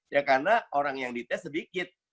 ya karena orang yang dites sedikit